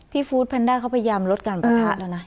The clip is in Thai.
ฟู้ดแพนด้าเขาพยายามลดการปะทะแล้วนะ